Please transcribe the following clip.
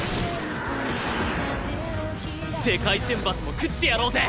世界選抜も喰ってやろうぜ！